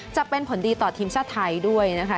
จะเป็นผลดีต่อทีมชาติไทยด้วยนะคะ